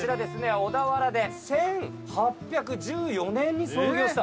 小田原で１８１４年に創業した。